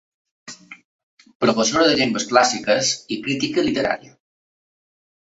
Professora de llengües clàssiques i crítica literària.